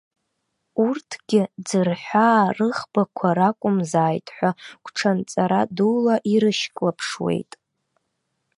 Урҭгьы ӡырҳәаа рыӷбақәа ракәымзааит ҳәа гәҽанҵара дула ирышьклаԥшуеит.